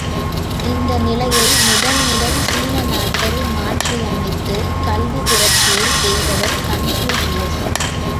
அந்த நிலையை முதன் முதல் சீன நாட்டில் மாற்றி அமைத்துக் கல்விப் புரட்சியைச் செய்தவர் கன்பூசியஸ்!